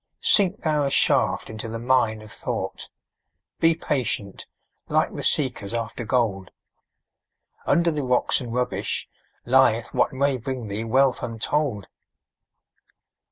Sink thou a shaft into the mine of thought; Be patient, like the seekers after gold; Under the rocks and rubbish lieth what May bring thee wealth untold.